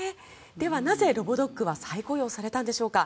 ではなぜ、ロボドッグは再雇用されたんでしょうか。